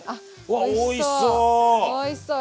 わっおいしそう！